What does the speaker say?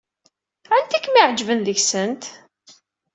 Anta ay kem-iɛejben deg-sent?